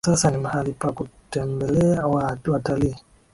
Na sasa ni mahali pa kutembelea watalii